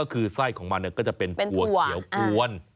ก็คือไส้ของมันเนี่ยก็จะเป็นขัวเขียวป้วน